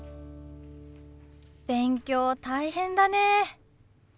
勉強大変だね。